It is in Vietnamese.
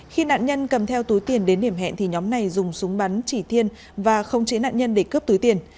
khi nạn nhân cầm theo túi tiền đến điểm hẹn thì nhóm này dùng súng bắn chỉ thiên và không chế nạn nhân để cướp túi tiền